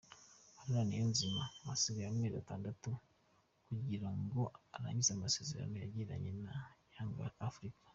Haruna Niyonzima asigaje amezi atandatu kugira ngo arangize amasezerano yagiranye na Yanga Africa.